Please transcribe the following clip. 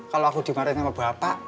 kalau aku dimarahin sama bapak